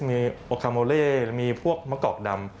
มีโอคาโมเล่มีพวกมะกอกดำ